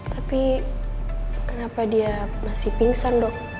tapi kenapa dia masih pingsan dok